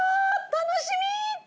楽しみ！